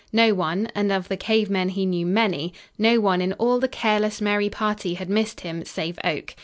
No one and of the cave men he knew many no one in all the careless, merry party had missed him save Oak.